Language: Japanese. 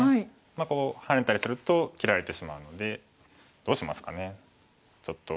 ハネたりすると切られてしまうのでどうしますかねちょっと。